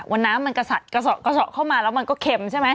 น้ำมันกระสัดกระสอบเข้ามาแล้วมันก็เค็มใช่ไหม